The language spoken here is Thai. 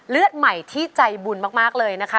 เลือดใหม่ที่ใจบุญมากเลยนะคะ